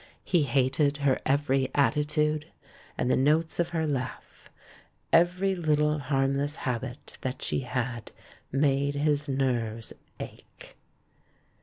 He hated her every attitude, and the notes of her laugh. Every little harmless habit that she had made his nerves ache.